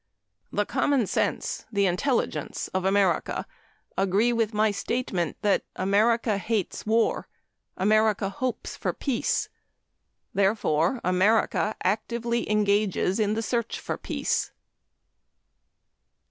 The common sense, the intelligence of America agree with my statement that "America hates war. America hopes for peace. Therefore, America actively engages in the search for peace."